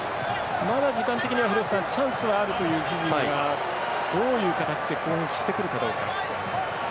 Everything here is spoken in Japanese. まだ時間的にはチャンスはあるというフィジーがどういう形で攻撃してくるかどうか。